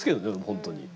本当に。